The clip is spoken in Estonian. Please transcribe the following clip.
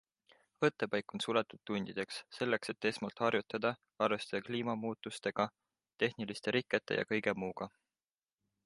Võttepaik on suletud tundideks, selleks et esmalt harjutada, arvestada kliimamuutustega, tehniliste rikete ja kõige muuga.